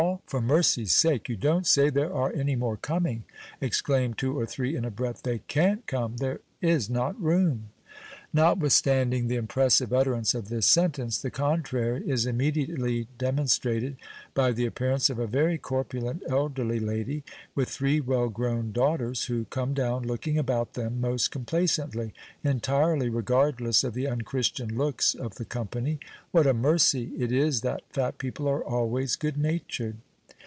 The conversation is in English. for mercy's sake, you don't say there are any more coming!" exclaim two or three in a breath; "they can't come; there is not room!" Notwithstanding the impressive utterance of this sentence, the contrary is immediately demonstrated by the appearance of a very corpulent, elderly lady, with three well grown daughters, who come down looking about them most complacently, entirely regardless of the unchristian looks of the company. What a mercy it is that fat people are always good natured!